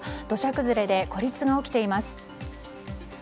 土砂崩れで孤立が起きています。